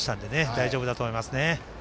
大丈夫だと思いますね。